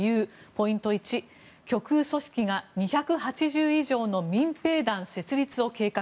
ポイント１、極右組織が２８０以上の民兵団設立を計画。